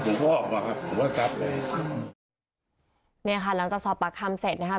ผมก็ออกมาครับผมก็กลับเลยเนี่ยค่ะหลังจากสอบปากคำเสร็จนะครับ